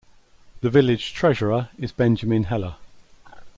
The village treasurer is Benjamin Heller.